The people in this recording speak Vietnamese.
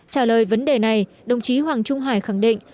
trả lời vấn đề này đồng chí hoàng trung hải khẳng định